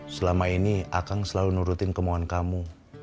selama ini akang selalu nurutin kemauan kamu